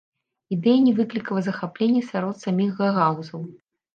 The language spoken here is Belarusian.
Ідэя не выклікала захаплення сярод саміх гагаузаў.